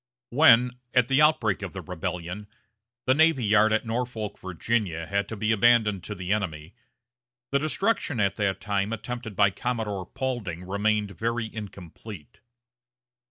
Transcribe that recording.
When, at the outbreak of the rebellion, the navy yard at Norfolk, Virginia, had to be abandoned to the enemy, the destruction at that time attempted by Commodore Paulding remained very incomplete.